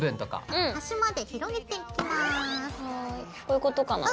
はいこういうことかな？